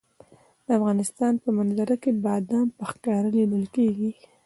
د افغانستان په منظره کې بادام په ښکاره لیدل کېږي.